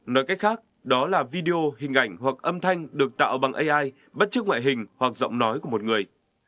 nói cách khác đó là video hình ảnh hoặc âm thanh được tạo bằng ai bất chức ngoại hình hoặc giọng nói của một người